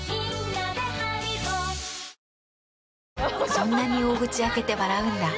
そんなに大口開けて笑うんだ。